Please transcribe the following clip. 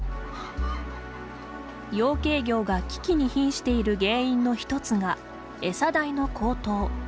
養鶏業が危機にひんしている原因の１つが、エサ代の高騰。